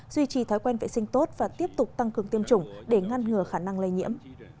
duy trì thói quen vệ sinh tốt và tiếp tục tăng cường tiêm chủng để ngăn ngừa khả năng lây nhiễm